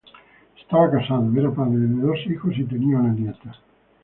Estaba casado, era padre de dos hijos y tenía una nieta.